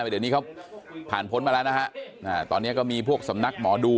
เดี๋ยวนี้เขาผ่านพ้นมาแล้วนะฮะตอนนี้ก็มีพวกสำนักหมอดู